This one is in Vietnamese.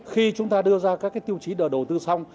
khi chúng ta đưa ra các tiêu chí đầu tư xong